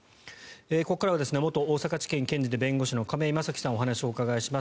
ここからは元大阪地検検事で弁護士の亀井正貴さんにお話をお伺いします。